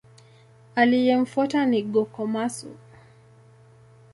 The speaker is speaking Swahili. Aliyemfuata ni Go-Komatsu.